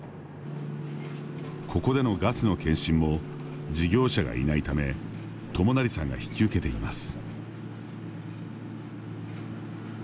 ここでのガスの検針も事業者がいないため知成さんが引き受けています。